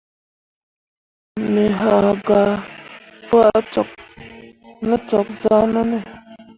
Me ah gah faa cok ne com zahʼnanne.